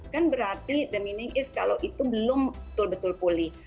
kan berarti the meaning is kalau itu belum betul betul pulih